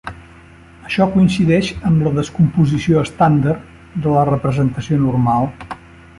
Això coincideix amb la descomposició estàndard de la representació normal.